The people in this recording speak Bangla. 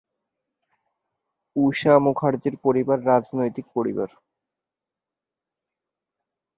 ঊষা মুখার্জীর পরিবার রাজনৈতিক পরিবার।